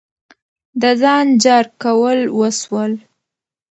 د ځان جار کول وسول.